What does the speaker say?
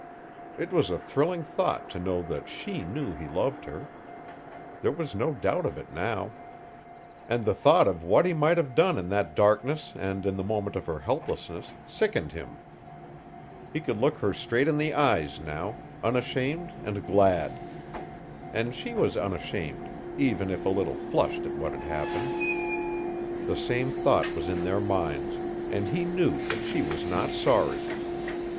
It was a thrilling thought to know that SHE knew he loved her. There was no doubt of it now. And the thought of what he might have done in that darkness and in the moment of her helplessness sickened him. He could look her straight in the eyes now unashamed and glad. And she was unashamed, even if a little flushed at what had happened. The same thought was in their minds and he knew that she was not sorry.